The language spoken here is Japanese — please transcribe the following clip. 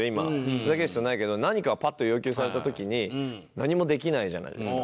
ふざける必要はないけど何かをパッと要求された時に何もできないじゃないですか。